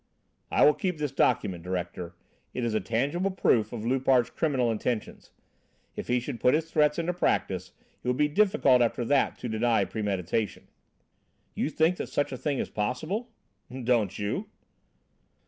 "I will keep this document, director; it is a tangible proof of Loupart's criminal intentions. If he should put his threats into practice it would be difficult after that to deny premeditation." "You think that such a thing is possible?" "Don't you?"